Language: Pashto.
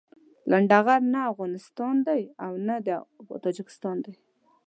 لنډغر نه افغانستان دي او نه د تاجيکستان دي.